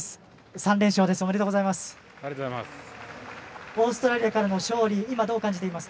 ３連勝ですおめでとうございます。